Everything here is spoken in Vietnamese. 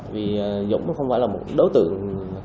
vì dũng không phải là một đối tượng